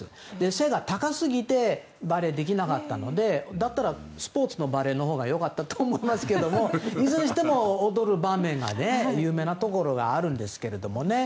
背が高すぎてバレエができなかったのでだったらスポーツのバレーのほうがよかったと思いますがいずれにしても踊る場面が有名なところがあるんですけどね。